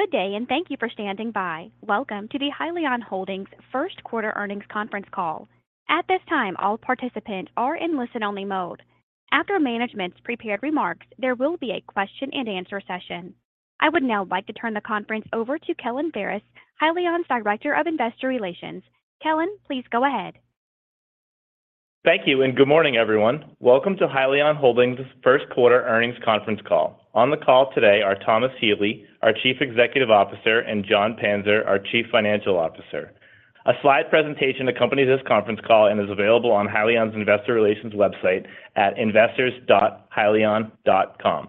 Good day. Thank you for standing by. Welcome to the Hyliion Holdings First Quarter Earnings Conference Call. At this time, all participants are in listen only mode. After management's prepared remarks, there will be a question and answer session. I would now like to turn the conference over to Kellen Ferris, Hyliion's Director of Investor Relations. Kellen, please go ahead. Thank you. Good morning everyone. Welcome to Hyliion Holdings First Quarter Earnings Conference Call. On the call today are Thomas Healy, our Chief Executive Officer, and Jon Panzer, our Chief Financial Officer. A slide presentation accompanies this conference call and is available on Hyliion's Investor Relations website at investors.hyliion.com.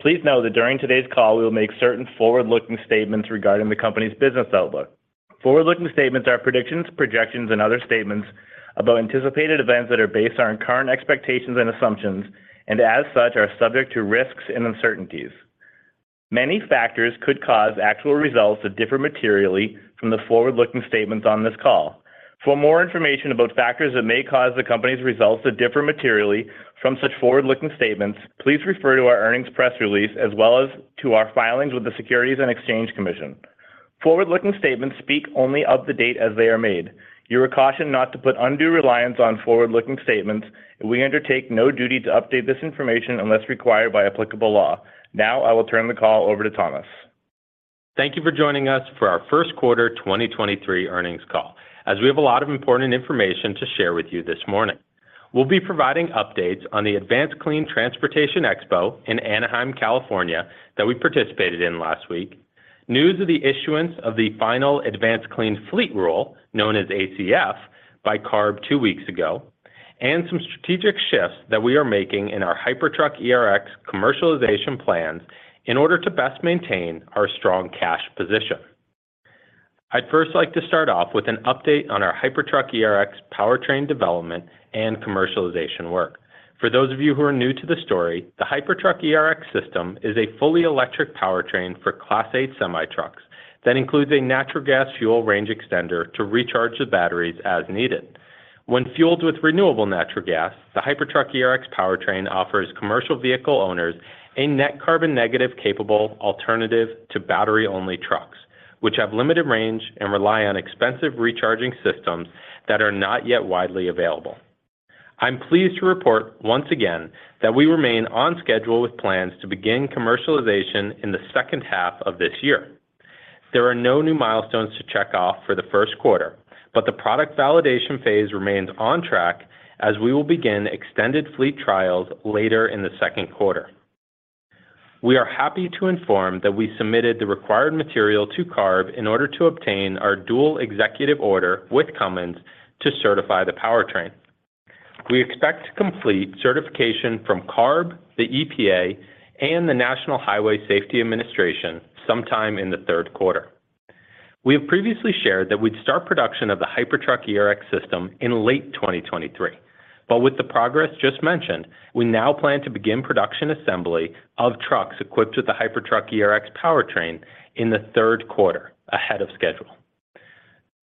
Please note that during today's call, we will make certain forward-looking statements regarding the company's business outlook. Forward-looking statements are predictions, projections, and other statements about anticipated events that are based on current expectations and assumptions, and as such, are subject to risks and uncertainties. Many factors could cause actual results to differ materially from the forward-looking statements on this call. For more information about factors that may cause the company's results to differ materially from such forward-looking statements, please refer to our earnings press release, as well as to our filings with the Securities and Exchange Commission. Forward-looking statements speak only of the date as they are made. You are cautioned not to put undue reliance on forward-looking statements, and we undertake no duty to update this information unless required by applicable law. Now I will turn the call over to Thomas. Thank you for joining us for our first quarter 2023 earnings call, as we have a lot of important information to share with you this morning. We'll be providing updates on the Advanced Clean Transportation Expo in Anaheim, California that we participated in last week, news of the issuance of the final Advanced Clean Fleets rule, known as ACF, by CARB two weeks ago, and some strategic shifts that we are making in our Hypertruck ERX commercialization plans in order to best maintain our strong cash position. I'd first like to start off with an update on our Hypertruck ERX powertrain development and commercialization work. For those of you who are new to the story, the Hypertruck ERX system is a fully electric powertrain for Class 8 semi-trucks that includes a natural gas fuel range extender to recharge the batteries as needed. When fueled with renewable natural gas, the Hypertruck ERX powertrain offers commercial vehicle owners a net carbon negative capable alternative to battery-only trucks, which have limited range and rely on expensive recharging systems that are not yet widely available. I'm pleased to report once again that we remain on schedule with plans to begin commercialization in the second half of this year. There are no new milestones to check off for the first quarter, but the product validation phase remains on track as we will begin extended fleet trials later in the second quarter. We are happy to inform that we submitted the required material to CARB in order to obtain our Dual Executive Order with Cummins to certify the powertrain. We expect to complete certification from CARB, the EPA, and the National Highway Traffic Safety Administration sometime in the third quarter. We have previously shared that we'd start production of the Hypertruck ERX system in late 2023, but with the progress just mentioned, we now plan to begin production assembly of trucks equipped with the Hypertruck ERX powertrain in the third quarter, ahead of schedule.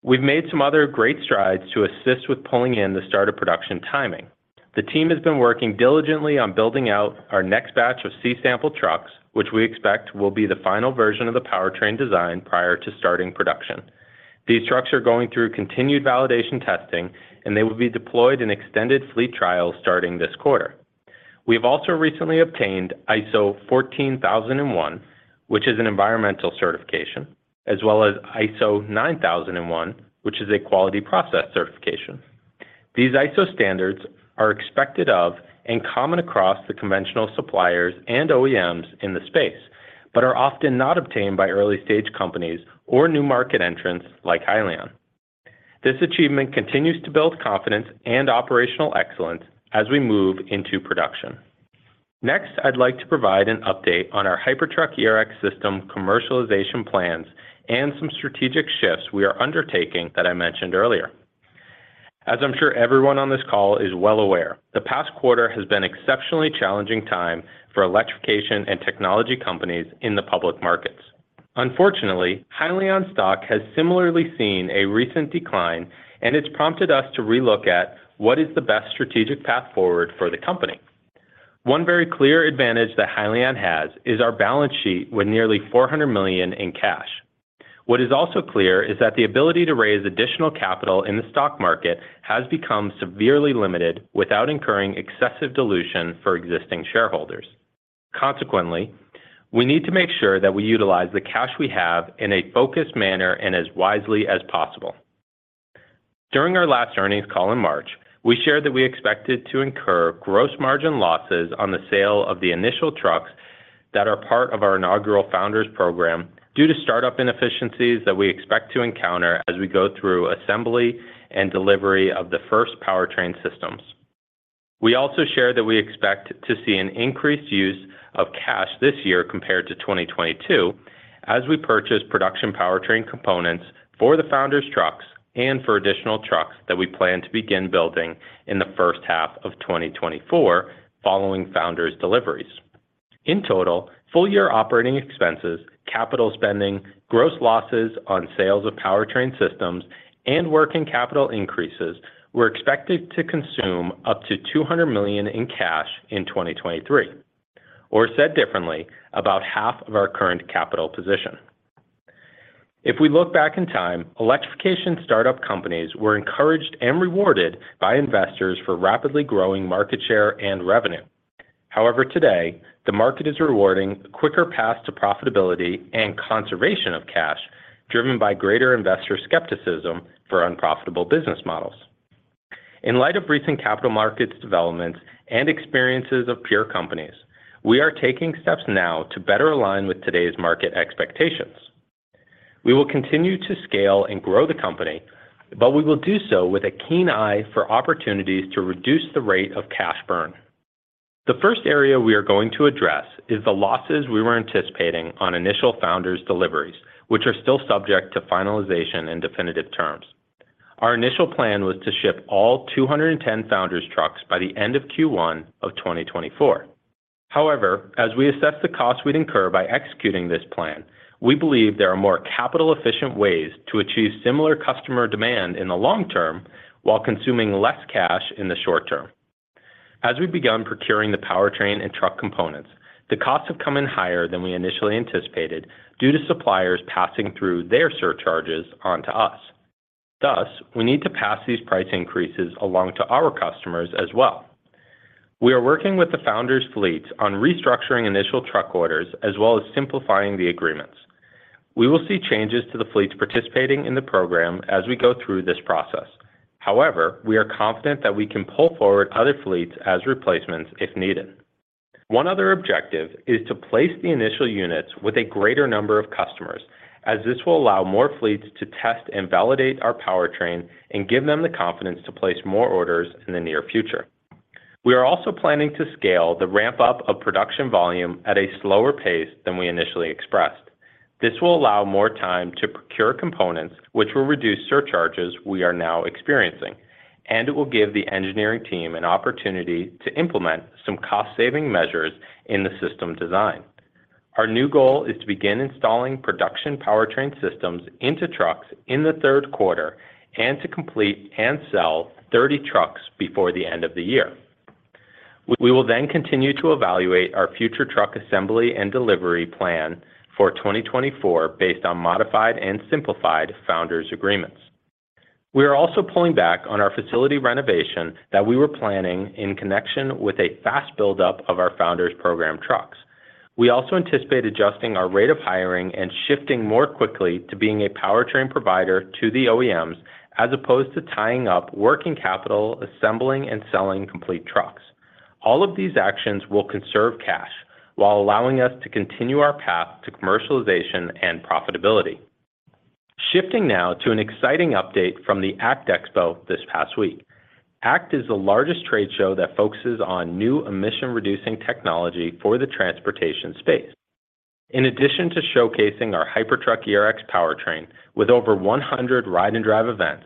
We've made some other great strides to assist with pulling in the start of production timing. The team has been working diligently on building out our next batch of C-sample trucks, which we expect will be the final version of the powertrain design prior to starting production. These trucks are going through continued validation testing, and they will be deployed in extended fleet trials starting this quarter. We have also recently obtained ISO 14001, which is an environmental certification, as well as ISO 9001, which is a quality process certification. These ISO standards are expected of and common across the conventional suppliers and OEMs in the space, but are often not obtained by early-stage companies or new market entrants like Hyliion. This achievement continues to build confidence and operational excellence as we move into production. Next, I'd like to provide an update on our Hypertruck ERX system commercialization plans and some strategic shifts we are undertaking that I mentioned earlier. As I'm sure everyone on this call is well aware, the past quarter has been exceptionally challenging time for electrification and technology companies in the public markets. Unfortunately, Hyliion stock has similarly seen a recent decline, and it's prompted us to re-look at what is the best strategic path forward for the company. One very clear advantage that Hyliion has is our balance sheet with nearly $400 million in cash. What is also clear is that the ability to raise additional capital in the stock market has become severely limited without incurring excessive dilution for existing shareholders. Consequently, we need to make sure that we utilize the cash we have in a focused manner and as wisely as possible. During our last earnings call in March, we shared that we expected to incur gross margin losses on the sale of the initial trucks that are part of our inaugural Founders program due to startup inefficiencies that we expect to encounter as we go through assembly and delivery of the first powertrain systems. We also shared that we expect to see an increased use of cash this year compared to 2022 as we purchase production powertrain components for the Founders trucks and for additional trucks that we plan to begin building in the first half of 2024 following Founders deliveries. In total, full-year operating expenses, capital spending, gross losses on sales of powertrain systems, and working capital increases were expected to consume up to $200 million in cash in 2023, or said differently, about half of our current capital position. If we look back in time, electrification startup companies were encouraged and rewarded by investors for rapidly growing market share and revenue. Today, the market is rewarding quicker paths to profitability and conservation of cash driven by greater investor skepticism for unprofitable business models. In light of recent capital markets developments and experiences of peer companies, we are taking steps now to better align with today's market expectations. We will continue to scale and grow the company, but we will do so with a keen eye for opportunities to reduce the rate of cash burn. The first area we are going to address is the losses we were anticipating on initial Founders deliveries, which are still subject to finalization and definitive terms. Our initial plan was to ship all 210 Founders trucks by the end of Q1 of 2024. However, as we assess the costs we'd incur by executing this plan, we believe there are more capital-efficient ways to achieve similar customer demand in the long term while consuming less cash in the short term. As we begun procuring the powertrain and truck components, the costs have come in higher than we initially anticipated due to suppliers passing through their surcharges onto us. We need to pass these price increases along to our customers as well. We are working with the Founders fleet on restructuring initial truck orders as well as simplifying the agreements. We will see changes to the fleets participating in the program as we go through this process. We are confident that we can pull forward other fleets as replacements if needed. One other objective is to place the initial units with a greater number of customers, as this will allow more fleets to test and validate our powertrain and give them the confidence to place more orders in the near future. We are also planning to scale the ramp-up of production volume at a slower pace than we initially expressed. This will allow more time to procure components which will reduce surcharges we are now experiencing, and it will give the engineering team an opportunity to implement some cost-saving measures in the system design. Our new goal is to begin installing production powertrain systems into trucks in the third quarter and to complete and sell 30 trucks before the end of the year. We will then continue to evaluate our future truck assembly and delivery plan for 2024 based on modified and simplified Founders agreements. We are also pulling back on our facility renovation that we were planning in connection with a fast buildup of our Founders program trucks. We also anticipate adjusting our rate of hiring and shifting more quickly to being a powertrain provider to the OEMs as opposed to tying up working capital, assembling, and selling complete trucks. All of these actions will conserve cash while allowing us to continue our path to commercialization and profitability. Shifting now to an exciting update from the ACT Expo this past week. ACT is the largest trade show that focuses on new emission-reducing technology for the transportation space. In addition to showcasing our Hypertruck ERX powertrain with over 100 ride and drive events,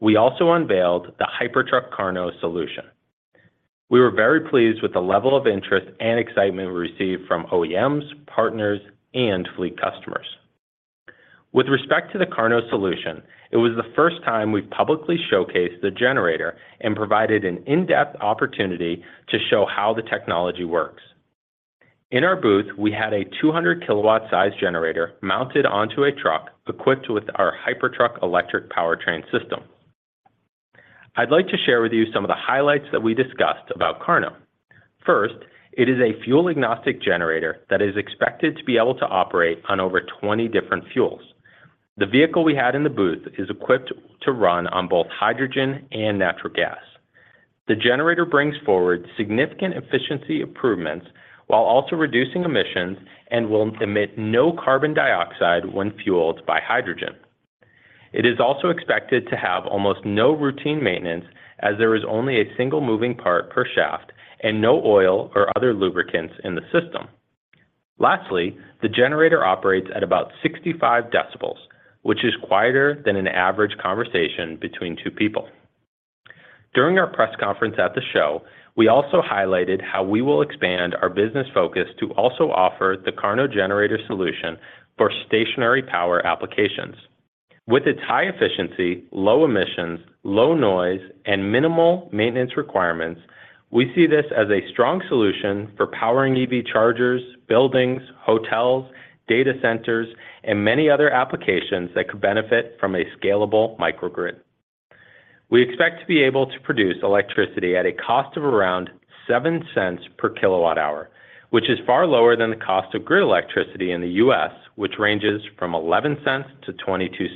we also unveiled the Hypertruck KARNO solution. We were very pleased with the level of interest and excitement we received from OEMs, partners, and fleet customers. With respect to the KARNO solution, it was the first time we've publicly showcased the generator and provided an in-depth opportunity to show how the technology works. In our booth, we had a 200 kW size generator mounted onto a truck equipped with our Hypertruck electric powertrain system. I'd like to share with you some of the highlights that we discussed about KARNO. It is a fuel-agnostic generator that is expected to be able to operate on over 20 different fuels. The vehicle we had in the booth is equipped to run on both hydrogen and natural gas. The generator brings forward significant efficiency improvements while also reducing emissions and will emit no carbon dioxide when fueled by hydrogen. It is also expected to have almost no routine maintenance, as there is only a single moving part per shaft and no oil or other lubricants in the system. Lastly, the generator operates at about 65 decibels, which is quieter than an average conversation between two people. During our press conference at the show, we also highlighted how we will expand our business focus to also offer the KARNO generator solution for stationary power applications. With its high efficiency, low emissions, low noise, and minimal maintenance requirements, we see this as a strong solution for powering EV chargers, buildings, hotels, data centers, and many other applications that could benefit from a scalable microgrid. We expect to be able to produce electricity at a cost of around $0.7 per kWh, which is far lower than the cost of grid electricity in the U.S., which ranges from $0.11-$0.22.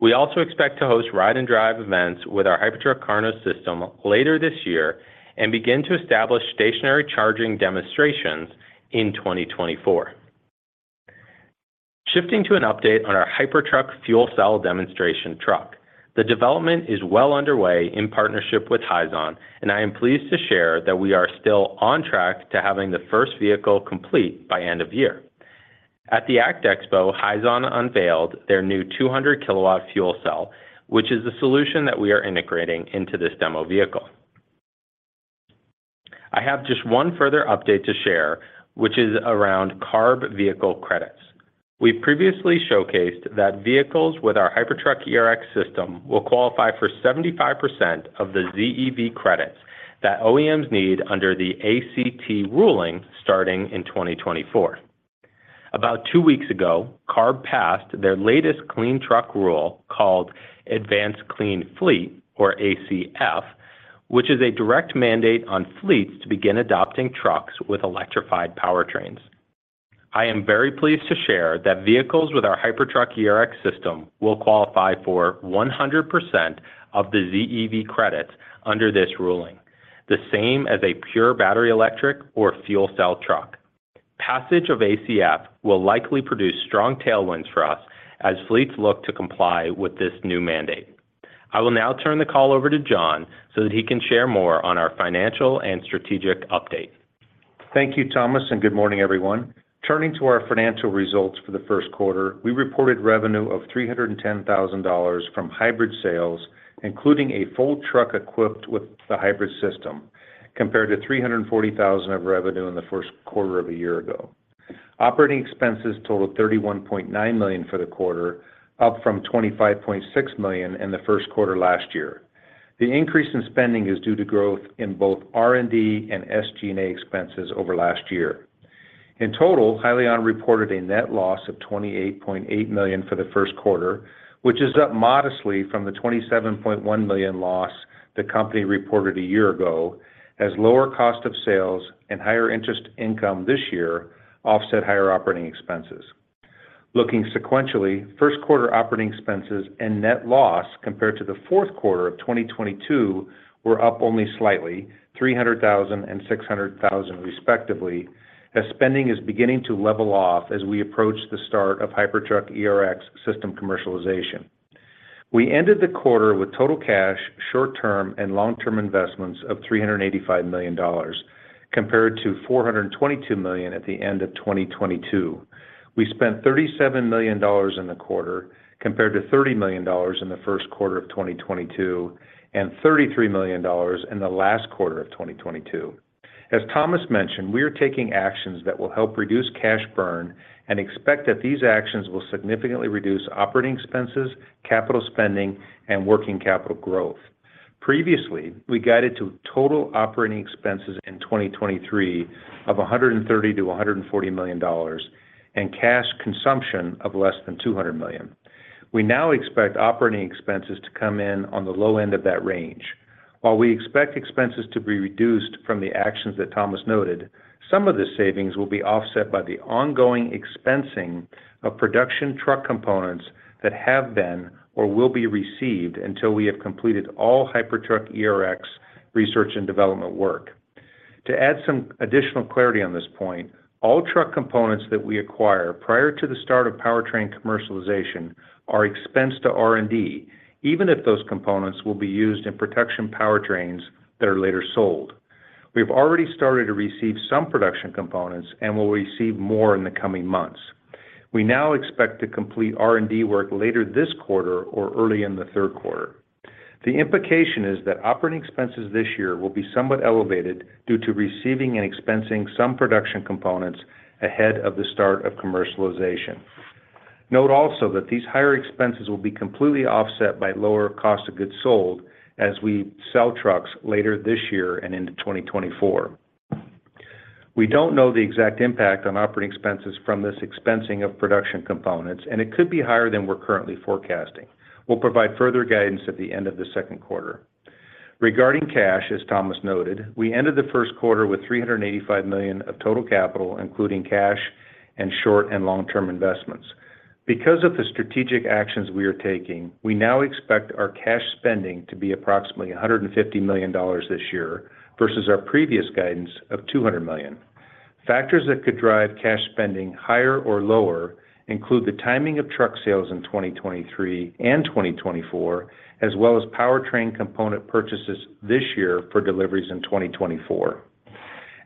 We also expect to host ride and drive events with our Hypertruck KARNO system later this year and begin to establish stationary charging demonstrations in 2024. Shifting to an update on our Hypertruck fuel cell demonstration truck. The development is well underway in partnership with Hyzon, I am pleased to share that we are still on track to having the first vehicle complete by end of year. At the ACT Expo, Hyzon unveiled their new 200 kilowatt fuel cell, which is the solution that we are integrating into this demo vehicle. I have just one further update to share, which is around CARB vehicle credits. We previously showcased that vehicles with our Hypertruck ERX system will qualify for 75% of the ZEV credits that OEMs need under the ACT ruling starting in 2024. About two weeks ago, CARB passed their latest clean truck rule called Advanced Clean Fleet, or ACF, which is a direct mandate on fleets to begin adopting trucks with electrified powertrains. I am very pleased to share that vehicles with our Hypertruck ERX system will qualify for 100% of the ZEV credits under this ruling, the same as a pure battery electric or fuel cell truck. Passage of ACF will likely produce strong tailwinds for us as fleets look to comply with this new mandate. I will now turn the call over to Jon so that he can share more on our financial and strategic update. Thank you, Thomas. Good morning, everyone. Turning to our financial results for the first quarter, we reported revenue of $310,000 from hybrid sales, including a full truck equipped with the hybrid system, compared to $340,000 of revenue in the first quarter of a year ago. Operating expenses totaled $31.9 million for the quarter, up from $25.6 million in the first quarter last year. The increase in spending is due to growth in both R&D and SG&A expenses over last year. In total, Hyliion reported a net loss of $28.8 million for the first quarter, which is up modestly from the $27.1 million loss the company reported a year ago as lower cost of sales and higher interest income this year offset higher operating expenses. Looking sequentially, first quarter operating expenses and net loss compared to the fourth quarter of 2022 were up only slightly, $300,000 and $600,000 respectively, as spending is beginning to level off as we approach the start of Hypertruck ERX system commercialization. We ended the quarter with total cash, short-term and long-term investments of $385 million compared to $422 million at the end of 2022. We spent $37 million in the quarter compared to $30 million in the first quarter of 2022 and $33 million in the last quarter of 2022. As Thomas mentioned, we are taking actions that will help reduce cash burn and expect that these actions will significantly reduce operating expenses, capital spending and working capital growth. Previously, we guided to total operating expenses in 2023 of $130 million-$140 million and cash consumption of less than $200 million. We now expect operating expenses to come in on the low end of that range. While we expect expenses to be reduced from the actions that Thomas noted, some of the savings will be offset by the ongoing expensing of production truck components that have been or will be received until we have completed all Hypertruck ERX research and development work. To add some additional clarity on this point, all truck components that we acquire prior to the start of powertrain commercialization are expensed to R&D, even if those components will be used in production powertrains that are later sold. We have already started to receive some production components and will receive more in the coming months. We now expect to complete R&D work later this quarter or early in the third quarter. The implication is that operating expenses this year will be somewhat elevated due to receiving and expensing some production components ahead of the start of commercialization. Note also that these higher expenses will be completely offset by lower cost of goods sold as we sell trucks later this year and into 2024. We don't know the exact impact on operating expenses from this expensing of production components, and it could be higher than we're currently forecasting. We'll provide further guidance at the end of the second quarter. Regarding cash, as Thomas noted, we ended the first quarter with $385 million of total capital, including cash and short and long-term investments. Because of the strategic actions we are taking, we now expect our cash spending to be approximately $150 million this year versus our previous guidance of $200 million. Factors that could drive cash spending higher or lower include the timing of truck sales in 2023 and 2024, as well as powertrain component purchases this year for deliveries in 2024.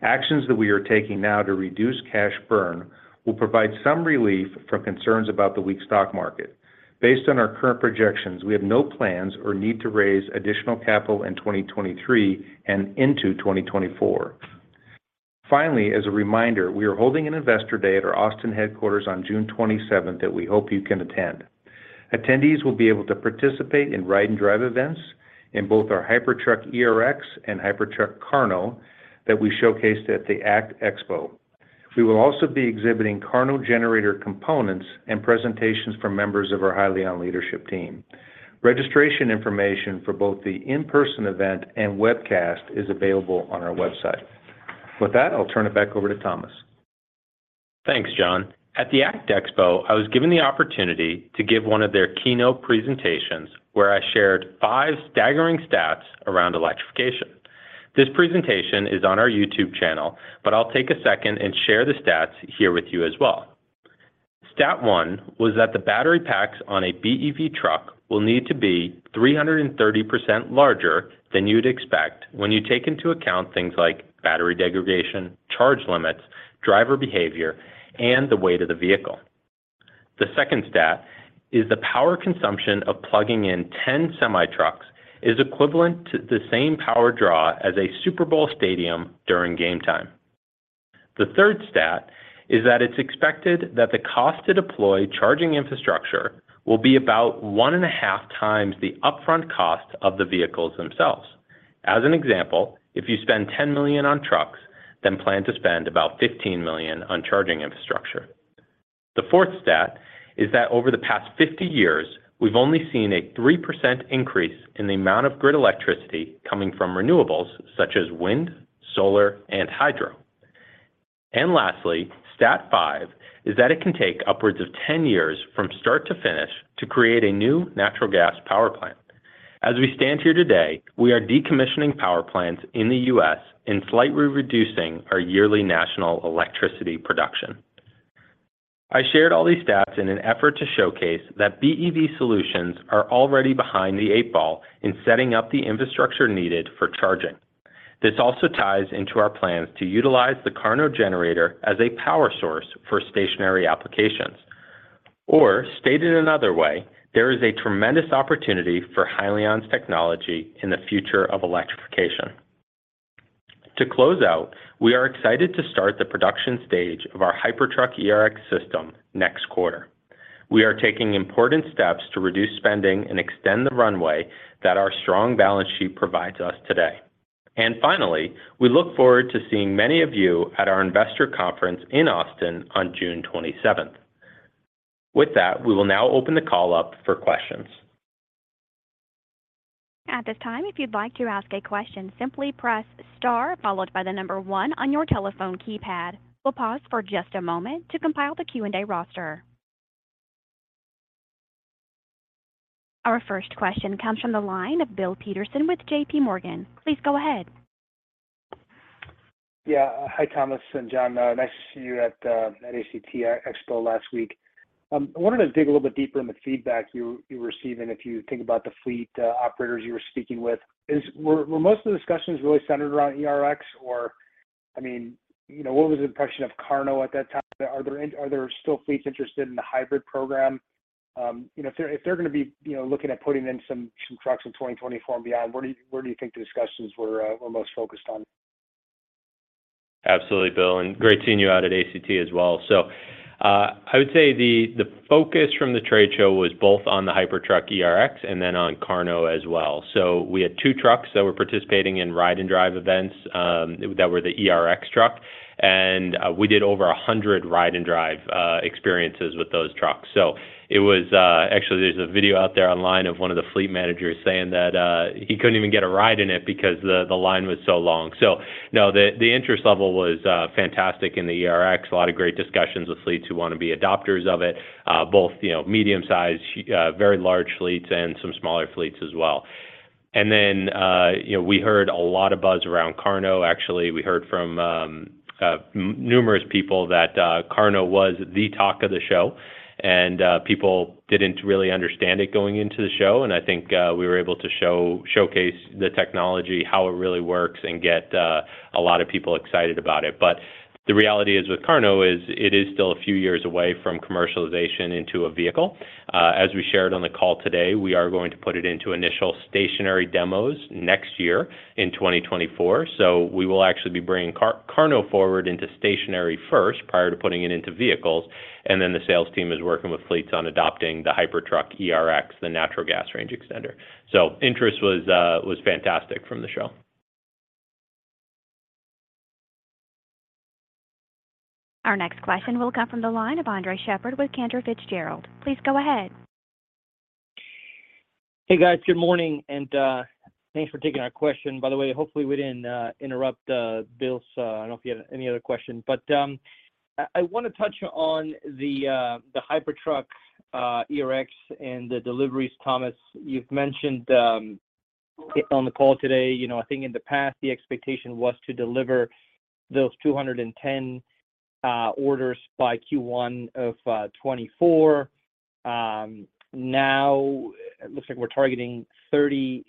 Actions that we are taking now to reduce cash burn will provide some relief from concerns about the weak stock market. Based on our current projections, we have no plans or need to raise additional capital in 2023 and into 2024. Finally, as a reminder, we are holding an investor day at our Austin headquarters on June 27th that we hope you can attend. Attendees will be able to participate in ride and drive events in both our Hypertruck ERX and Hypertruck KARNO that we showcased at the ACT Expo. We will also be exhibiting KARNO generator components and presentations from members of our Hyliion leadership team. Registration information for both the in-person event and webcast is available on our website. With that, I'll turn it back over to Thomas. Thanks, Jon. At the ACT Expo, I was given the opportunity to give one of their keynote presentations where I shared five staggering stats around electrification. This presentation is on our YouTube channel. I'll take a second and share the stats here with you as well. Stat one was that the battery packs on a BEV truck will need to be 330% larger than you'd expect when you take into account things like battery degradation, charge limits, driver behavior, and the weight of the vehicle. The second stat is the power consumption of plugging in 10 semi-trucks is equivalent to the same power draw as a Super Bowl stadium during game time. The third stat is that it's expected that the cost to deploy charging infrastructure will be about 1.5x the upfront cost of the vehicles themselves. As an example, if you spend $10 million on trucks, then plan to spend about $15 million on charging infrastructure. The fourth stat is that over the past 50 years, we've only seen a 3% increase in the amount of grid electricity coming from renewables such as wind, solar, and hydro. Lastly, stat five is that it can take upwards of 10 years from start to finish to create a new natural gas power plant. As we stand here today, we are decommissioning power plants in the U.S. and slightly reducing our yearly national electricity production. I shared all these stats in an effort to showcase that BEV solutions are already behind the eight ball in setting up the infrastructure needed for charging. This also ties into our plans to utilize the KARNO generator as a power source for stationary applications, or stated another way, there is a tremendous opportunity for Hyliion's technology in the future of electrification. To close out, we are excited to start the production stage of our Hypertruck ERX system next quarter. We are taking important steps to reduce spending and extend the runway that our strong balance sheet provides us today. Finally, we look forward to seeing many of you at our investor conference in Austin on June 27th. With that, we will now open the call up for questions. At this time, if you'd like to ask a question, simply press star followed by one on your telephone keypad. We'll pause for just a moment to compile the Q&A roster. Our first question comes from the line of Bill Peterson with JPMorgan. Please go ahead. Yeah. Hi, Thomas Healy and Jon Panzer. nice to see you at ACT Expo last week. I wanted to dig a little bit deeper in the feedback you're receiving if you think about the fleet operators you were speaking with. Were most of the discussions really centered around ERX or, I mean, you know, what was the impression of KARNO at that time? Are there still fleets interested in the hybrid program? you know, if they're gonna be, you know, looking at putting in some trucks in 2024 and beyond, where do you, where do you think the discussions were most focused on? Absolutely, Bill, great seeing you out at ACT as well. I would say the focus from the trade show was both on the Hypertruck ERX and then on KARNO as well. We had two trucks that were participating in ride and drive events that were the ERX truck. We did over 100 ride and drive experiences with those trucks. It was. Actually, there's a video out there online of one of the fleet managers saying that he couldn't even get a ride in it because the line was so long. No, the interest level was fantastic in the ERX. A lot of great discussions with fleets who wanna be adopters of it, both, you know, medium-sized, very large fleets and some smaller fleets as well. Then, you know, we heard a lot of buzz around KARNO. Actually, we heard from numerous people that KARNO was the talk of the show, and people didn't really understand it going into the show, and I think we were able to showcase the technology, how it really works, and get a lot of people excited about it. The reality is with KARNO is it is still a few years away from commercialization into a vehicle. As we shared on the call today, we are going to put it into initial stationary demos next year in 2024. We will actually be bringing KARNO forward into stationary first prior to putting it into vehicles, and then the sales team is working with fleets on adopting the Hypertruck ERX, the natural gas range extender. Interest was fantastic from the show. Our next question will come from the line of Andres Sheppard with Cantor Fitzgerald. Please go ahead. Hey, guys. Good morning, thanks for taking our question. By the way, hopefully we didn't interrupt Bill, I don't know if you have any other question. I wanna touch on the Hypertruck ERX and the deliveries, Thomas. You've mentioned on the call today, you know, I think in the past the expectation was to deliver those 210 orders by Q1 of 2024. Now looks like we're targeting 30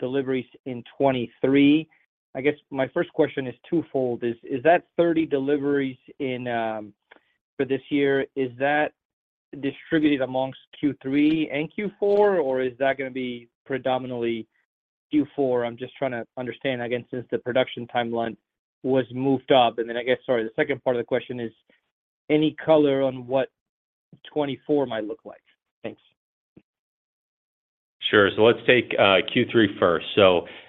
deliveries in 2023. I guess my first question is twofold. Is that 30 deliveries in for this year, is that distributed amongst Q3 and Q4, or is that gonna be predominantly Q4? I'm just trying to understand, again, since the production timeline was moved up. I guess, sorry, the second part of the question is any color on what 2024 might look like? Thanks. Sure. Let's take Q3 first.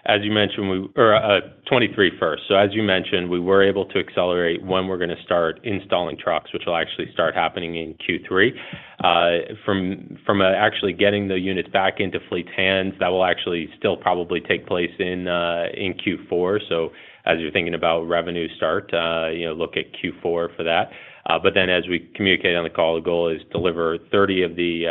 As you mentioned, 2023 first. As you mentioned, we were able to accelerate when we're gonna start installing trucks, which will actually start happening in Q3. From actually getting the units back into fleet's hands, that will actually still probably take place in Q4. As you're thinking about revenue start, you know, look at Q4 for that. As we communicated on the call, the goal is deliver 30 of the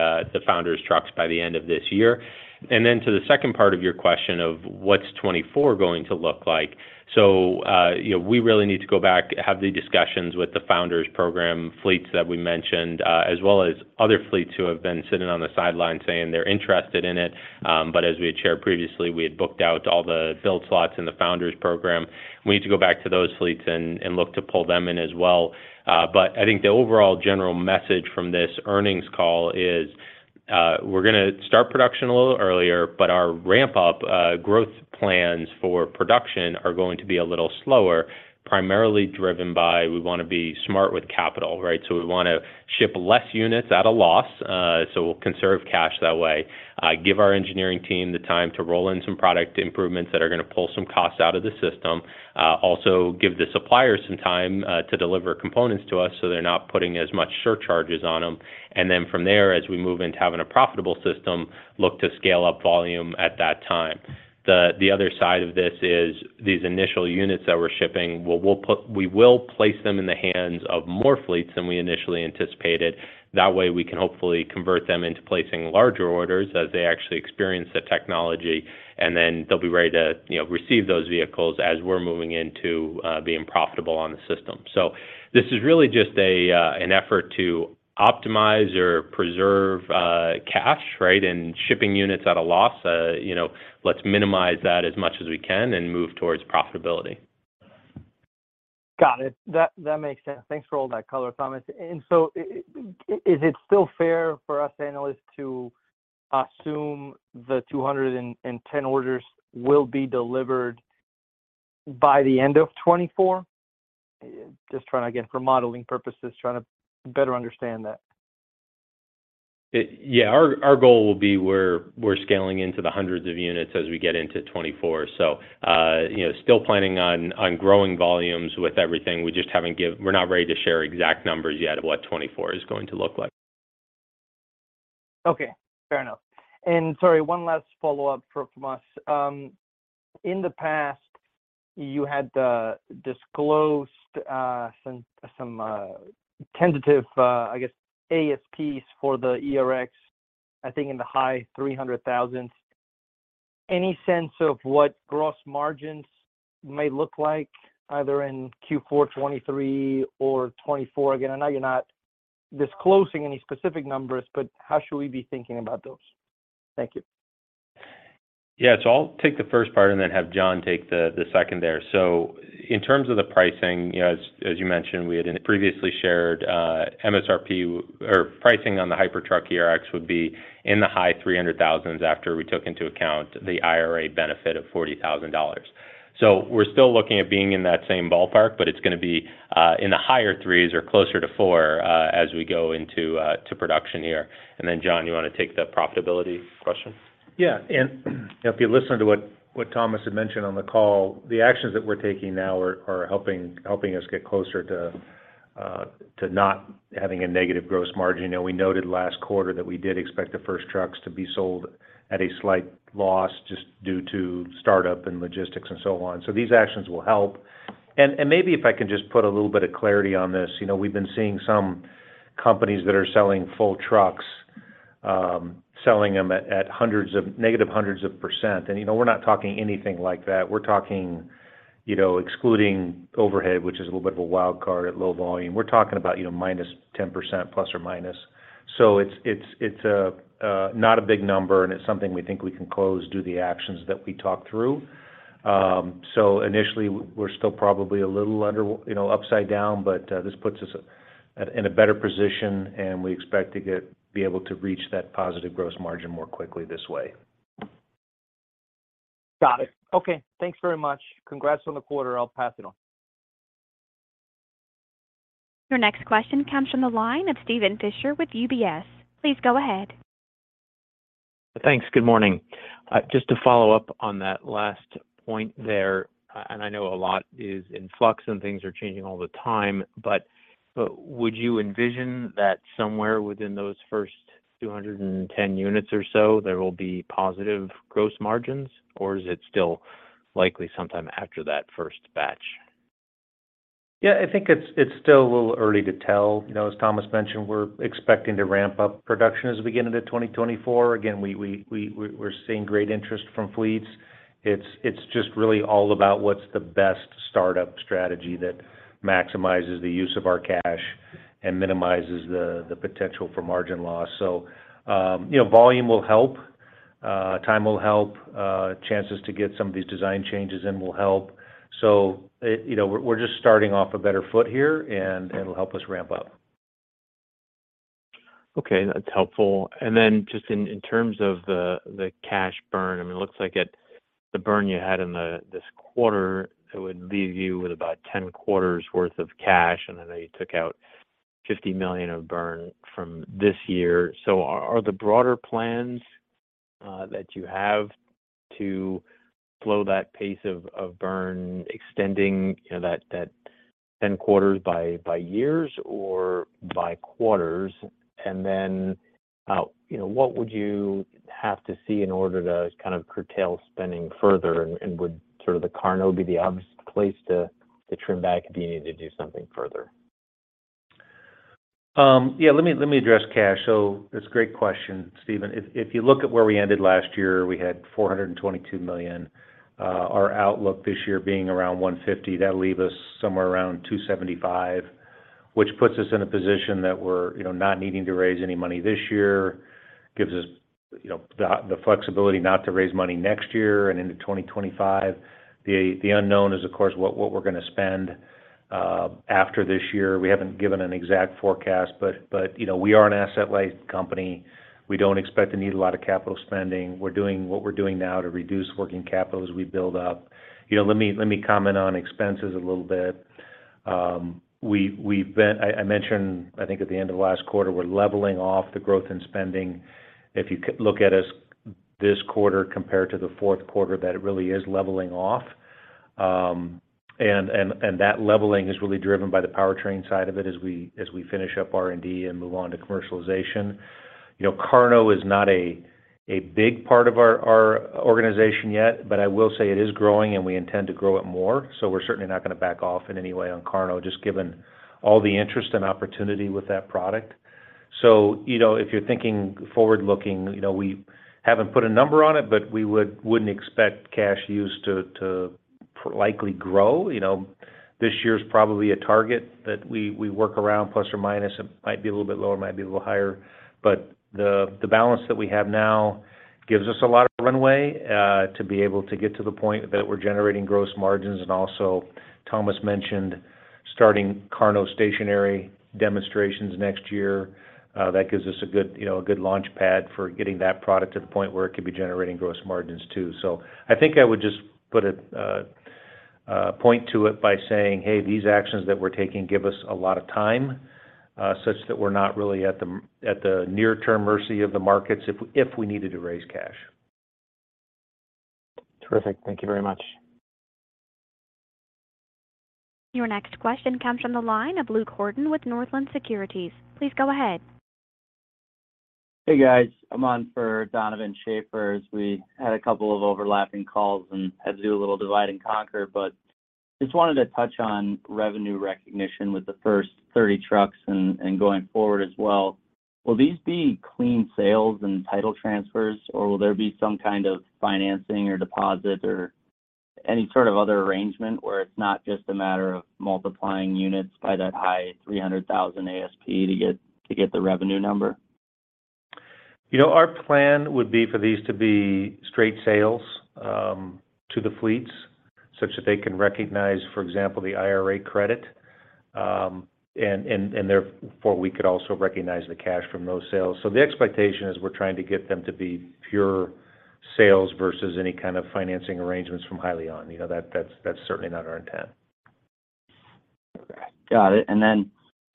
Founders trucks by the end of this year. Then to the second part of your question of what's 2024 going to look like, so, you know, we really need to go back, have the discussions with the Founders program fleets that we mentioned, as well as other fleets who have been sitting on the sidelines saying they're interested in it. As we had shared previously, we had booked out all the build slots in the Founders program. We need to go back to those fleets and look to pull them in as well. I think the overall general message from this earnings call is we're gonna start production a little earlier, but our ramp up, growth plans for production are going to be a little slower, primarily driven by we wanna be smart with capital, right? We wanna ship less units at a loss, so we'll conserve cash that way, give our engineering team the time to roll in some product improvements that are gonna pull some costs out of the system. Also give the suppliers some time to deliver components to us so they're not putting as much surcharges on them. From there, as we move into having a profitable system, look to scale up volume at that time. The other side of this is these initial units that we're shipping, we will place them in the hands of more fleets than we initially anticipated. That way, we can hopefully convert them into placing larger orders as they actually experience the technology, they'll be ready to, you know, receive those vehicles as we're moving into being profitable on the system. This is really just a, an effort to optimize or preserve, cash, right? Shipping units at a loss, you know, let's minimize that as much as we can and move towards profitability. Got it. That makes sense. Thanks for all that color, Thomas. Is it still fair for us analysts to assume the 210 orders will be delivered by the end of 2024? Just trying to get for modeling purposes, trying to better understand that. Yeah. Our goal will be we're scaling into the hundreds of units as we get into 2024. You know, still planning on growing volumes with everything. We just haven't we're not ready to share exact numbers yet of what 2024 is going to look like. Okay. Fair enough. Sorry, one last follow-up from us. In the past, you had, disclosed, some tentative, I guess, ASPs for the Hypertruck ERX, I think in the high $300,000. Any sense of what gross margins may look like either in Q4 2023 or 2024? Again, I know you're not disclosing any specific numbers, but how should we be thinking about those? Thank you. Yeah. I'll take the first part and then have Jon take the second there. In terms of the pricing, you know, as you mentioned, we had previously shared MSRP or pricing on the Hypertruck ERX would be in the high $300,000s after we took into account the IRA benefit of $40,000. We're still looking at being in that same ballpark, but it's gonna be in the higher 3%s or closer to 4% as we go into production here. Jon, you wanna take the profitability question? If you listen to what Thomas had mentioned on the call, the actions that we're taking now are helping us get closer to not having a negative gross margin. You know, we noted last quarter that we did expect the first trucks to be sold at a slight loss just due to start-up and logistics and so on. These actions will help. Maybe if I can just put a little bit of clarity on this. You know, we've been seeing some companies that are selling full trucks, selling them at -100%. You know, we're not talking anything like that. We're talking, you know, excluding overhead, which is a little bit of a wild card at low volume. We're talking about, you know ±10%. It's a not a big number, and it's something we think we can close, do the actions that we talked through. Initially we're still probably a little, you know, upside down, but, this puts us at, in a better position, and we expect to be able to reach that positive gross margin more quickly this way. Got it. Okay. Thanks very much. Congrats on the quarter. I'll pass it on. Your next question comes from the line of Steven Fisher with UBS. Please go ahead. Thanks. Good morning. Just to follow up on that last point there, I know a lot is in flux and things are changing all the time, but would you envision that somewhere within those first 210 units or so, there will be positive gross margins, or is it still likely sometime after that first batch? I think it's still a little early to tell. You know, as Thomas mentioned, we're expecting to ramp up production as we get into 2024. Again, we're seeing great interest from fleets. It's, it's just really all about what's the best startup strategy that maximizes the use of our cash and minimizes the potential for margin loss. You know, volume will help, time will help, chances to get some of these design changes in will help. You know, we're just starting off a better foot here and it'll help us ramp up. Okay. That's helpful. Then just in terms of the cash burn, I mean, it looks like the burn you had in this quarter, it would leave you with about 10 quarters worth of cash, and then you took out $50 million of burn from this year. Are the broader plans that you have to slow that pace of burn extending, you know, that 10 quarters by years or by quarters? Then, you know, what would you have to see in order to kind of curtail spending further? Would sort of the KARNO be the obvious place to trim back if you needed to do something further? Yeah. Let me address cash. That's a great question, Steven Fisher. If you look at where we ended last year, we had $422 million. Our outlook this year being around $150 million, that'll leave us somewhere around $275 million, which puts us in a position that we're, you know, not needing to raise any money this year. Gives us, you know, the flexibility not to raise money next year and into 2025. The unknown is, of course, what we're gonna spend after this year. We haven't given an exact forecast, but, you know, we are an asset-light company. We don't expect to need a lot of capital spending. We're doing what we're doing now to reduce working capital as we build up. You know, let me comment on expenses a little bit. I mentioned, I think at the end of last quarter, we're leveling off the growth in spending. If you look at us this quarter compared to the fourth quarter, that it really is leveling off. And that leveling is really driven by the powertrain side of it as we finish up R&D and move on to commercialization. You know, KARNO is not a big part of our organization yet, but I will say it is growing, and we intend to grow it more. We're certainly not gonna back off in any way on KARNO, just given all the interest and opportunity with that product. You know, if you're thinking forward-looking, you know, we haven't put a number on it, but we wouldn't expect cash use to likely grow. You know, this year's probably a target that we work around plus or minus. It might be a little bit lower, might be a little higher. The balance that we have now gives us a lot of runway to be able to get to the point that we're generating gross margins. Also, Thomas mentioned starting KARNO stationary demonstrations next year. That gives us a good, you know, a good launchpad for getting that product to the point where it could be generating gross margins too. I think I would just put a point to it by saying, "Hey, these actions that we're taking give us a lot of time such that we're not really at the near-term mercy of the markets if we needed to raise cash. Terrific. Thank you very much. Your next question comes from the line of Luke Horton with Northland Securities. Please go ahead. Hey, guys. I'm on for Donovan Schafer, as we had a couple of overlapping calls and had to do a little divide and conquer. Just wanted to touch on revenue recognition with the first 30 trucks and going forward as well. Will these be clean sales and title transfers, or will there be some kind of financing or deposit or any sort of other arrangement where it's not just a matter of multiplying units by that high $300,000 ASP to get the revenue number? You know, our plan would be for these to be straight sales to the fleets such that they can recognize, for example, the IRA credit. Therefore, we could also recognize the cash from those sales. The expectation is we're trying to get them to be pure sales versus any kind of financing arrangements from Hyliion. You know, that's certainly not our intent. Okay. Got it.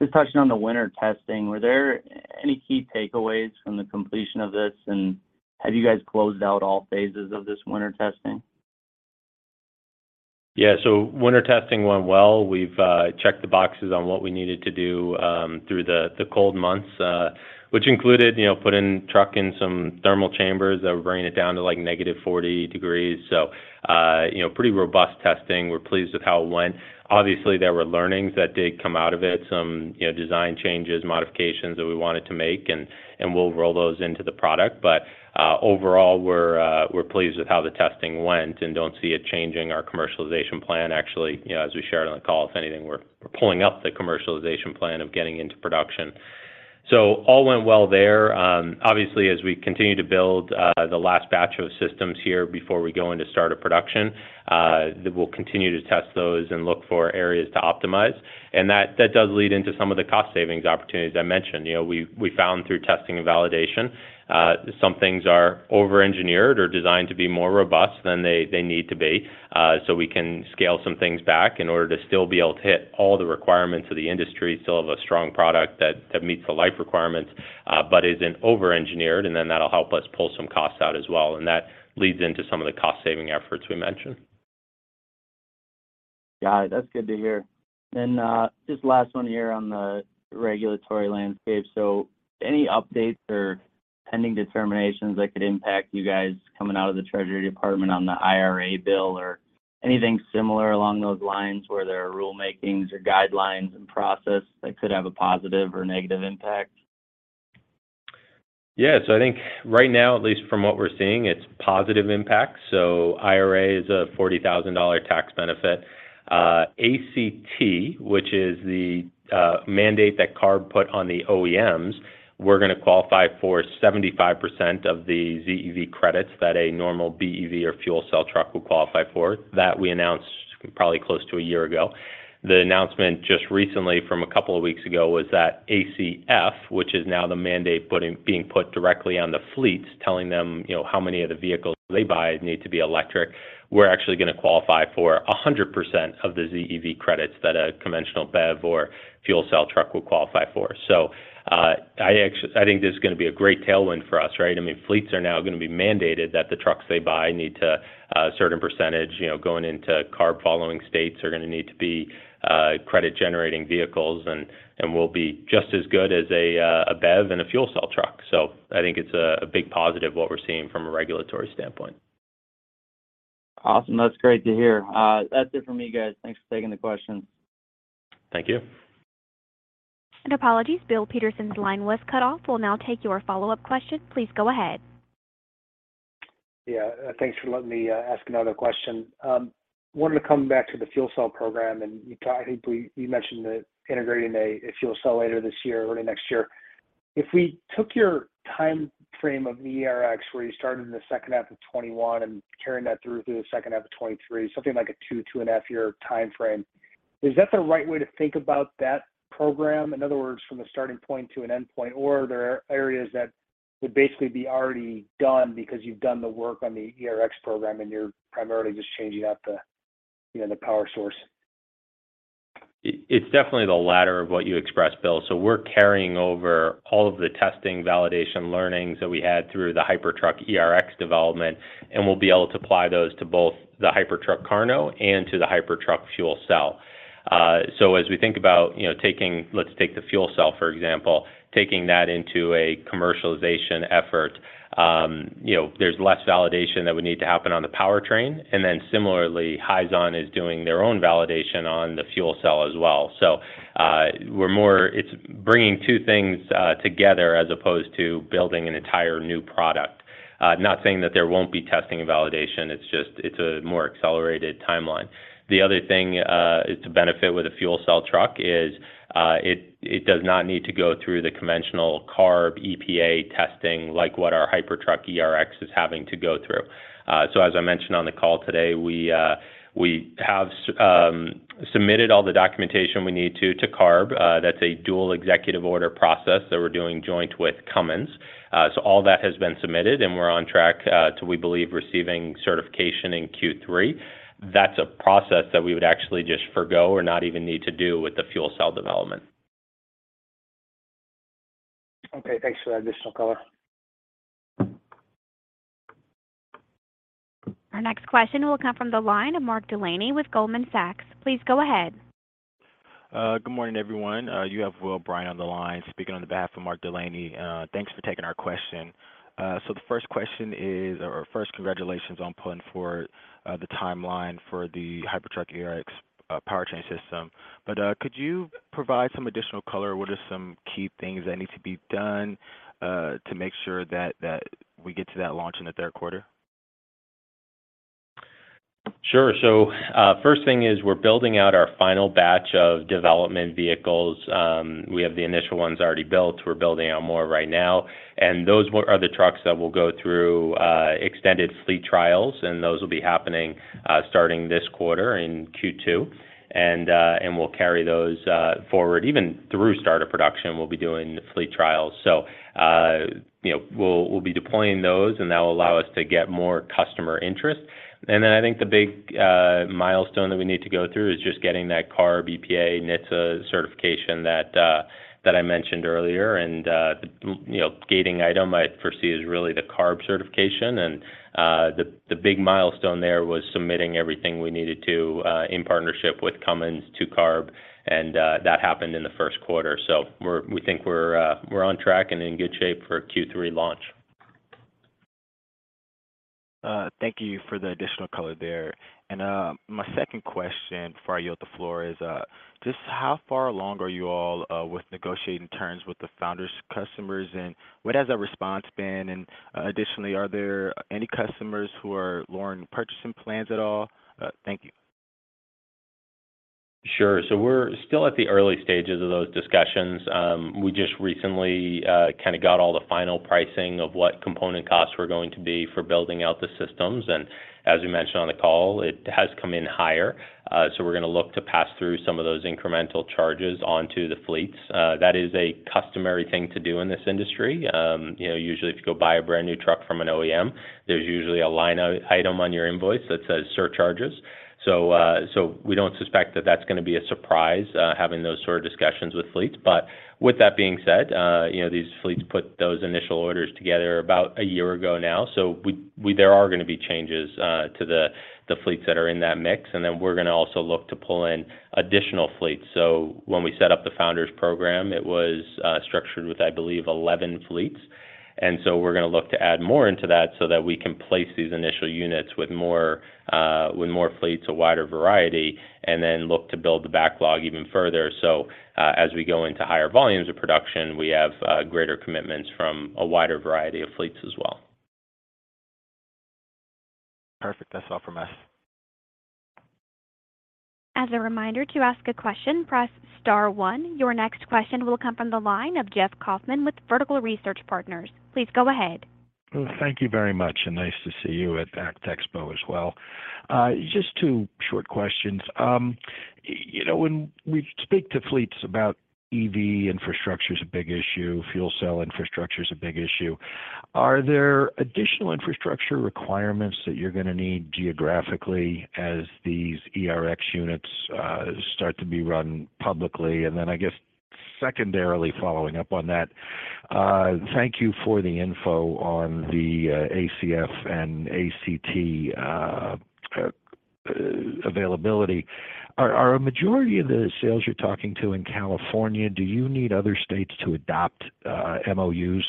Just touching on the winter testing, were there any key takeaways from the completion of this, and have you guys closed out all phases of this winter testing? Winter testing went well. We've checked the boxes on what we needed to do through the cold months, which included, you know, putting truck in some thermal chambers that were bringing it down to, like, negative 40 degrees. You know, pretty robust testing. We're pleased with how it went. Obviously, there were learnings that did come out of it, some, you know, design changes, modifications that we wanted to make, and we'll roll those into the product. Overall, we're pleased with how the testing went and don't see it changing our commercialization plan. Actually, you know, as we shared on the call, if anything, we're pulling up the commercialization plan of getting into production. All went well there. Obviously, as we continue to build, the last batch of systems here before we go into start of production, we'll continue to test those and look for areas to optimize. That does lead into some of the cost savings opportunities I mentioned. You know, we found through testing and validation, some things are overengineered or designed to be more robust than they need to be. So we can scale some things back in order to still be able to hit all the requirements of the industry, still have a strong product that meets the life requirements, but isn't overengineered. That'll help us pull some costs out as well. That leads into some of the cost-saving efforts we mentioned. Got it. That's good to hear. Just last one here on the regulatory landscape. Any updates or pending determinations that could impact you guys coming out of the Treasury Department on the IRA bill or anything similar along those lines where there are rulemakings or guidelines and process that could have a positive or negative impact? I think right now, at least from what we're seeing, it's positive impact. IRA is a $40,000 tax benefit. ACT, which is the mandate that CARB put on the OEMs, we're gonna qualify for 75% of the ZEV credits that a normal BEV or fuel cell truck would qualify for. That we announced probably close to a year ago. The announcement just recently from a couple of weeks ago was that ACF, which is now the mandate being put directly on the fleets, telling them, you know, how many of the vehicles they buy need to be electric. We're actually gonna qualify for 100% of the ZEV credits that a conventional BEV or fuel cell truck would qualify for. I think this is gonna be a great tailwind for us, right? I mean, fleets are now gonna be mandated that the trucks they buy need to a certain percentage, you know, going into CARB following states are gonna need to be credit-generating vehicles and will be just as good as a BEV and a fuel cell truck. I think it's a big positive what we're seeing from a regulatory standpoint. Awesome. That's great to hear. That's it for me, guys. Thanks for taking the questions. Thank you. Apologies, Bill Peterson's line was cut off. We'll now take your follow-up question. Please go ahead. Yeah. Thanks for letting me ask another question. Wanted to come back to the fuel cell program, and you mentioned that integrating a fuel cell later this year, early next year. If we took your time frame of Hypertruck ERX, where you started in the second half of 2021 and carrying that through to the second half of 2023, something like a two and a half year timeframe, is that the right way to think about that program? In other words, from a starting point to an end point or there are areas that would basically be already done because you've done the work on the Hypertruck ERX program and you're primarily just changing out the, you know, the power source. It's definitely the latter of what you expressed, Bill. We're carrying over all of the testing, validation, learnings that we had through the Hypertruck ERX development, and we'll be able to apply those to both the Hypertruck KARNO and to the Hypertruck fuel cell. As we think about, you know, let's take the fuel cell, for example, taking that into a commercialization effort, you know, there's less validation that would need to happen on the powertrain. Similarly, Hyzon is doing their own validation on the fuel cell as well. It's bringing two things together as opposed to building an entire new product. Not saying that there won't be testing and validation, it's just, it's a more accelerated timeline. The other thing is to benefit with a fuel cell truck is it does not need to go through the conventional CARB EPA testing like what our Hypertruck ERX is having to go through. As I mentioned on the call today, we have submitted all the documentation we need to CARB. That's a Dual Executive Order process that we're doing joint with Cummins. All that has been submitted, and we're on track to, we believe, receiving certification in Q3. That's a process that we would actually just forego or not even need to do with the fuel cell development. Okay. Thanks for that additional color. Our next question will come from the line of Mark Delaney with Goldman Sachs. Please go ahead. Good morning, everyone. You have Will O'Brien on the line speaking on the behalf of Mark Delaney. Thanks for taking our question. The first question is or first congratulations on pulling forward the timeline for the Hypertruck ERX powertrain system. Could you provide some additional color? What are some key things that need to be done to make sure that we get to that launch in the third quarter? First thing is we're building out our final batch of development vehicles. We have the initial ones already built. We're building out more right now. Those are the trucks that will go through extended fleet trials, and those will be happening starting this quarter in Q2. We'll carry those forward even through start of production, we'll be doing fleet trials. You know, we'll be deploying those, and that will allow us to get more customer interest. I think the big milestone that we need to go through is just getting that CARB EPA NHTSA certification that I mentioned earlier. The, you know, gating item I foresee is really the CARB certification. The big milestone there was submitting everything we needed to, in partnership with Cummins to CARB and that happened in the first quarter. We think we're on track and in good shape for a Q3 launch. Thank you for the additional color there. My second question before I yield the floor is, just how far along are you all with negotiating terms with the Founders customers, and what has that response been? Additionally, are there any customers who are lowering purchasing plans at all? Thank you. Sure. We're still at the early stages of those discussions. We just recently kinda got all the final pricing of what component costs were going to be for building out the systems. As we mentioned on the call, it has come in higher, so we're gonna look to pass through some of those incremental charges onto the fleets. That is a customary thing to do in this industry. You know, usually if you go buy a brand new truck from an OEM, there's usually a line item on your invoice that says surcharges. We don't suspect that that's gonna be a surprise, having those sort of discussions with fleets. With that being said, you know, these fleets put those initial orders together about a year ago now, so there are gonna be changes to the fleets that are in that mix. Then we're gonna also look to pull in additional fleets. When we set up the Founders program, it was structured with, I believe, 11 fleets. So we're gonna look to add more into that so that we can place these initial units with more fleets, a wider variety, and then look to build the backlog even further. As we go into higher volumes of production, we have greater commitments from a wider variety of fleets as well. Perfect. That's all from us. As a reminder, to ask a question, press star one. Your next question will come from the line of Jeff Kauffman with Vertical Research Partners. Please go ahead. Well, thank you very much, and nice to see you at ACT Expo as well. Just two short questions. You know, when we speak to fleets about EV infrastructure's a big issue, fuel cell infrastructure's a big issue. Are there additional infrastructure requirements that you're gonna need geographically as these ERX units start to be run publicly? I guess secondarily following up on that, thank you for the info on the ACF and ACT availability. Are a majority of the sales you're talking to in California, do you need other states to adopt MOUs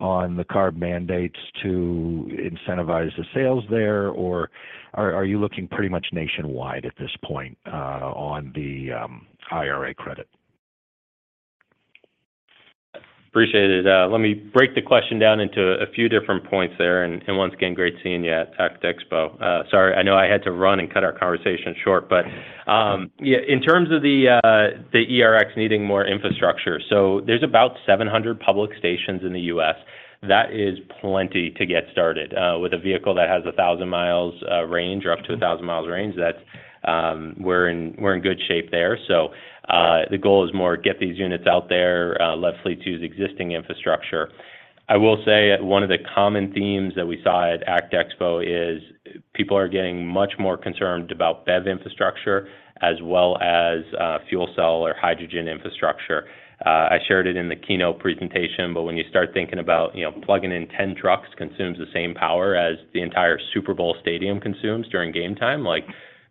on the CARB mandates to incentivize the sales there, or are you looking pretty much nationwide at this point on the IRA credit? Appreciate it. Let me break the question down into a few different points there. Once again, great seeing you at ACT Expo. Sorry, I know I had to run and cut our conversation short. Yeah, in terms of the ERX needing more infrastructure, there's about 700 public stations in the U.S. That is plenty to get started. With a vehicle that has 1,000 mi of range or up to 1,000 mi range, that's we're in good shape there. The goal is more get these units out there, let fleet use existing infrastructure. I will say one of the common themes that we saw at ACT Expo is people are getting much more concerned about BEV infrastructure as well as fuel cell or hydrogen infrastructure. I shared it in the keynote presentation, when you start thinking about, you know, plugging in 10 trucks consumes the same power as the entire Super Bowl stadium consumes during game time,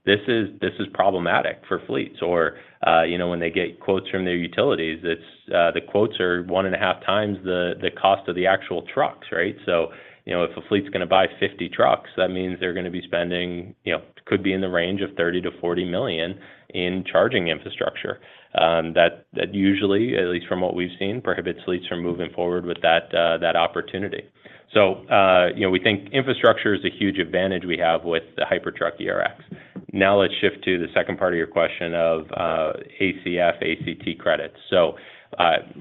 like this is problematic for fleets. You know, when they get quotes from their utilities, it's the quotes are one and a half times the cost of the actual trucks, right? You know, if a fleet's gonna buy 50 trucks, that means they're gonna be spending, you know, could be in the range of $30 million-$40 million in charging infrastructure. That usually, at least from what we've seen, prohibits fleets from moving forward with that opportunity. You know, we think infrastructure is a huge advantage we have with the Hypertruck ERX. Now let's shift to the second part of your question of ACF, ACT credits.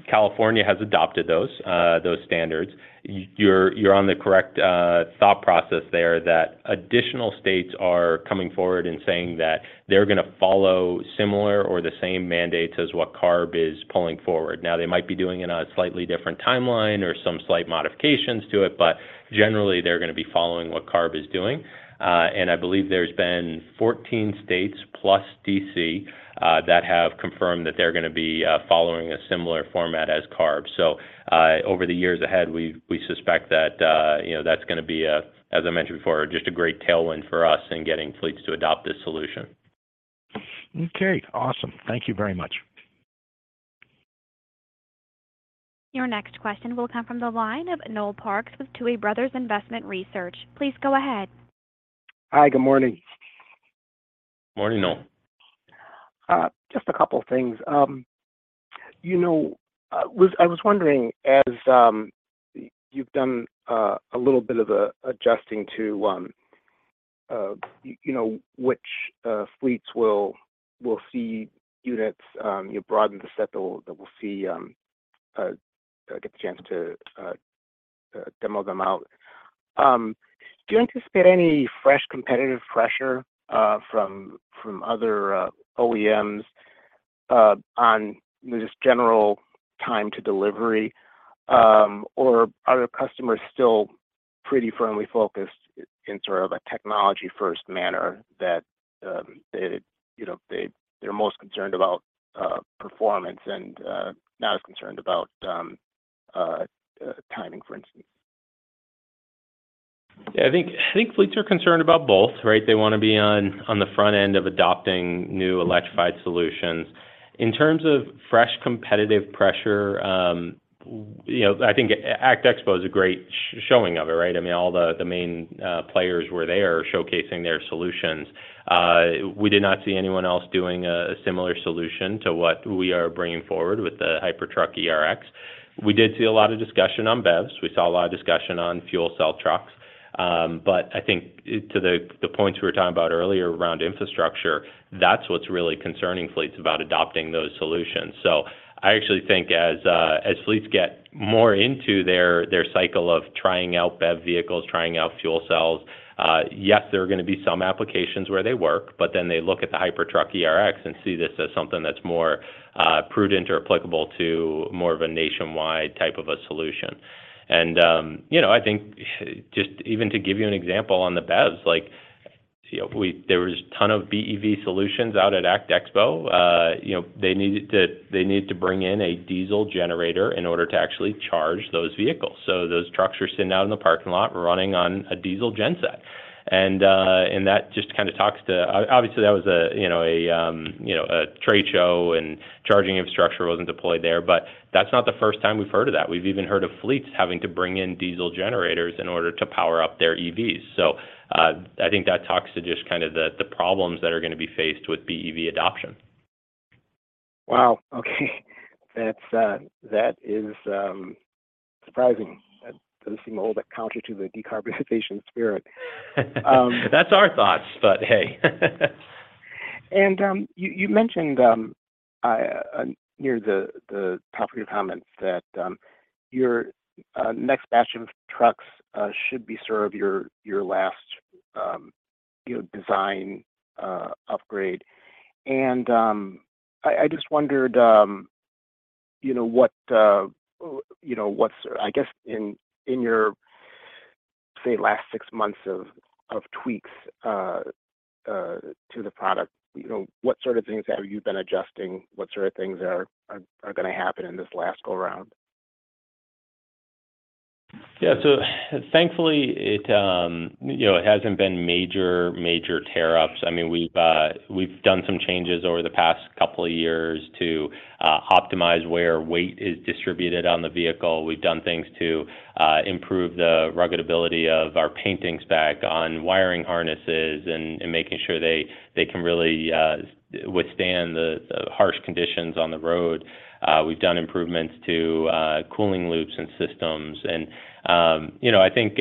California has adopted those standards. You're on the correct thought process there that additional states are coming forward and saying that they're gonna follow similar or the same mandates as what CARB is pulling forward. Now, they might be doing it on a slightly different timeline or some slight modifications to it, but generally they're gonna be following what CARB is doing. And I believe there's been 14 states plus D.C. that have confirmed that they're gonna be following a similar format as CARB. Over the years ahead, we suspect that, you know, that's gonna be a, as I mentioned before, just a great tailwind for us in getting fleets to adopt this solution. Okay, awesome. Thank you very much. Your next question will come from the line of Noel Parks with Tuohy Brothers Investment Research. Please go ahead. Hi, good morning. Morning, Noel. Just a couple things. I was wondering as you've done a little bit of adjusting to, you know, which fleets will see units, you broaden the set that will get the chance to demo them out. Do you anticipate any fresh competitive pressure from other OEMs on just general time to delivery? Or are the customers still pretty firmly focused in sort of a technology first manner that they, you know, they're most concerned about performance and not as concerned about timing, for instance? Yeah, I think fleets are concerned about both, right? They wanna be on the front end of adopting new electrified solutions. In terms of fresh competitive pressure, you know, I think ACT Expo is a great showing of it, right? I mean, all the main players were there showcasing their solutions. We did not see anyone else doing a similar solution to what we are bringing forward with the Hypertruck ERX. We did see a lot of discussion on BEVs. We saw a lot of discussion on fuel cell trucks. I think to the points we were talking about earlier around infrastructure, that's what's really concerning fleets about adopting those solutions. I actually think as fleets get more into their cycle of trying out BEV vehicles, trying out fuel cells, yes, there are gonna be some applications where they work, but then they look at the Hypertruck ERX and see this as something that's more prudent or applicable to more of a nationwide type of a solution. I think just even to give you an example on the BEVs, like, you know, there was ton of BEV solutions out at ACT Expo. You know, they needed to bring in a diesel generator in order to actually charge those vehicles. Those trucks were sitting out in the parking lot running on a diesel genset. That just kinda talks to, obviously, that was a, you know, a trade show and charging infrastructure wasn't deployed there, but that's not the first time we've heard of that. We've even heard of fleets having to bring in diesel generators in order to power up their EVs. I think that talks to just kind of the problems that are gonna be faced with BEV adoption. Wow, okay. That is surprising. That does seem a little bit counter to the decarbonization spirit. That's our thoughts, but hey. You mentioned near the top of your comments that your next batch of trucks should be sort of your last, you know, design upgrade. I just wondered, you know, what, you know, what's I guess in your last six months of tweaks to the product, you know, what sort of things have you been adjusting? What sort of things are gonna happen in this last go around? Yeah. Thankfully, it, you know, it hasn't been major tear ups. I mean, we've done some changes over the past couple of years to optimize where weight is distributed on the vehicle. We've done things to improve the rugged ability of our painting stack on wiring harnesses and making sure they can really withstand the harsh conditions on the road. We've done improvements to cooling loops and systems. You know, I think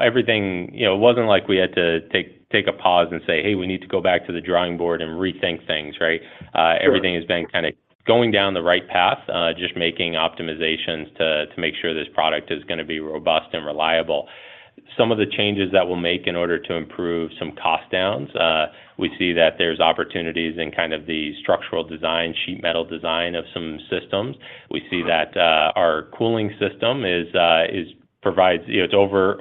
everything, you know, it wasn't like we had to take a pause and say, hey, we need to go back to the drawing board and rethink things, right? Sure. Everything has been kinda going down the right path, just making optimizations to make sure this product is gonna be robust and reliable. Some of the changes that we'll make in order to improve some cost downs, we see that there's opportunities in kind of the structural design, sheet metal design of some systems. We see that our cooling system provides, you know,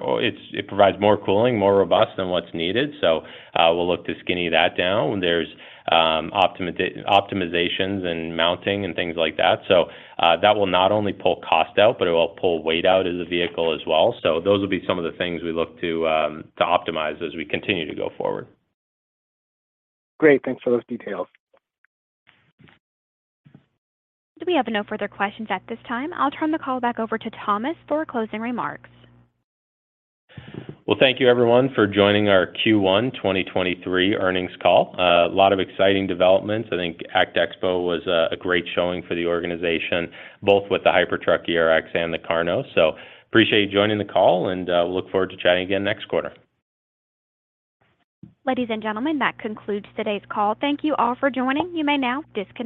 more cooling, more robust than what's needed. We'll look to skinny that down. There's optimizations and mounting and things like that. That will not only pull cost out, but it will pull weight out of the vehicle as well. Those will be some of the things we look to optimize as we continue to go forward. Great. Thanks for those details. We have no further questions at this time. I'll turn the call back over to Thomas for closing remarks. Well, thank you everyone for joining our Q1 2023 earnings call. A lot of exciting developments. I think ACT Expo was a great showing for the organization, both with the Hypertruck ERX and the KARNO. Appreciate you joining the call, and we look forward to chatting again next quarter. Ladies and gentlemen, that concludes today's call. Thank you all for joining. You may now disconnect.